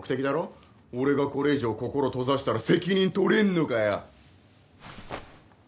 俺がこれ以上心閉ざしたら責任取れんのかよ！